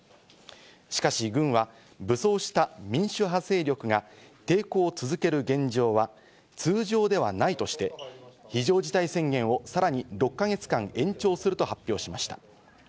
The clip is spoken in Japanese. しかし軍は武装した民主派勢力が抵抗を続ける現状は通常ではないとして、非常事態宣言をさらに６か月間延長すると発表しました。